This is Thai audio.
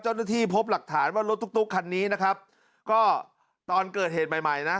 เจ้าหน้าที่พบหลักฐานว่ารถตุ๊กคันนี้นะครับก็ตอนเกิดเหตุใหม่ใหม่นะ